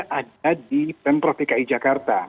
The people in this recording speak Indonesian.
ada di pemprov dki jakarta